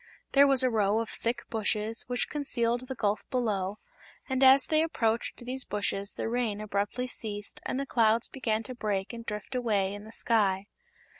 There was a row of thick bushes, which concealed the gulf below, and as they approached these bushes the rain abruptly ceased and the clouds began to break and drift away in the sky.